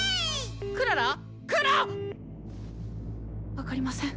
分かりません。